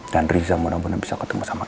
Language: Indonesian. dan risa bener bener bisa ketemu sama elsa